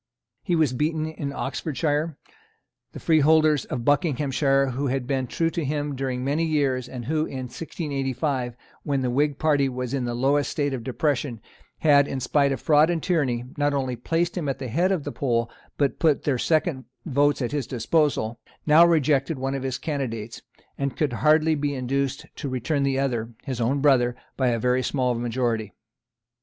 He was beaten in Oxfordshire. The freeholders of Buckinghamshire, who had been true to him during many years, and who in 1685, when the Whig party was in the lowest state of depression, had, in spite of fraud and tyranny, not only placed him at the head of the poll but put their second votes at his disposal, now rejected one of his candidates, and could hardly be induced to return the other, his own brother, by a very small majority.